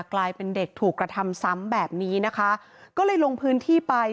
กลายเป็นเด็กถูกกระทำซ้ำแบบนี้นะคะก็เลยลงพื้นที่ไป